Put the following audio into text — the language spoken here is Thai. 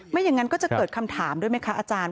ไม่อย่างนั้นก็จะเกิดคำถามด้วยไหมคะอาจารย์